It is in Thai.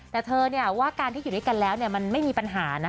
แต่เธอว่าการที่อยู่ด้วยกันแล้วมันไม่มีปัญหานะ